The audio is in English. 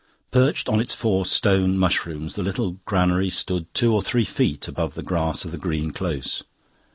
Perched on its four stone mushrooms, the little granary stood two or three feet above the grass of the green close.